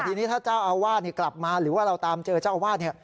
ทีนี้ถ้าเจ้าอาวาสกลับมาหรือว่าเราตามเจอเจ้าอาวาส